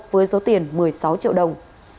với số tiền một mươi sáu triệu đồng